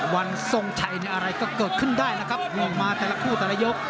วันทรงชัยอะไรก็เกิดขึ้นได้นะครับง่วงมาแต่ละคู่แต่ละยก